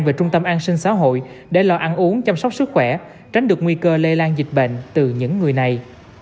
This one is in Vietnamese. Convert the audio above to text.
về trung tâm an sinh xã hội để lo ăn uống chăm sóc sức khỏe tránh được nguy cơ lây lan dịch bệnh từ những người này